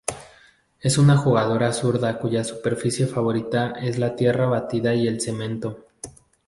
Es una jugadora zurda cuya superficie favorita es la tierra batida y el cemento.